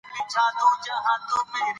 لوستې میندې د ماشوم سالم چاپېریال ساتي.